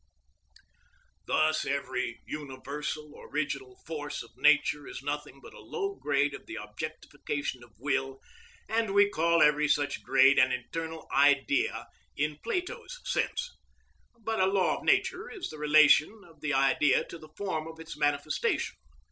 Thus every universal, original force of nature is nothing but a low grade of the objectification of will, and we call every such grade an eternal Idea in Plato's sense. But a law of nature is the relation of the Idea to the form of its manifestation.